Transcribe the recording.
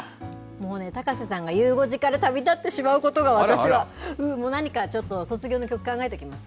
もうね、高瀬さんがゆう５時から旅立ってしまうことが、私は、うう、何かちょっと卒業の曲考えておきます。